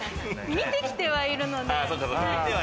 見てきてはいるので。